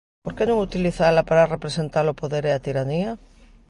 Por que non utilizala para representar o poder e a tiranía?